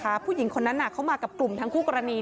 ผู้หญิงคนนั้นเขามากับกลุ่มทั้งคู่กรณี